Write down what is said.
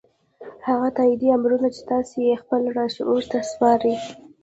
هغه تاييدي امرونه چې تاسې يې خپل لاشعور ته سپارئ.